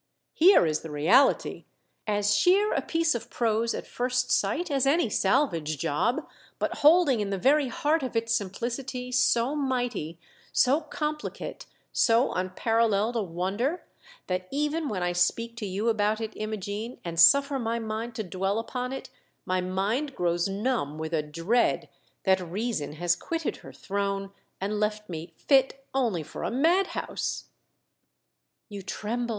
Here is the reality — as sheer a piece of prose at first sight as any salvage job, but holding in the very heart of its simplicity so mighty, so compli cate, so unparalleled a wonder, that even when I speak to you about it, Imogene, and suffer my mind to dwell upon it, my mind grows numb with a dread that reason has quitted her throne and left me fit only for a madhouse "You tremble!"